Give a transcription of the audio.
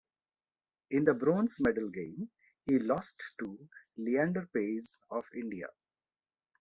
In the Bronze medal game, he lost to Leander Paes of India.